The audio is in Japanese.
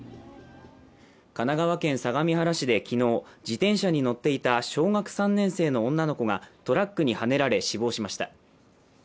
神奈川県相模原市で昨日、自転車に乗っていた小学３年生の女の子がトラックにはねられ死亡しました。